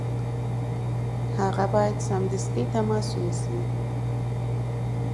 هغه باید سمدستي تماس ونیسي.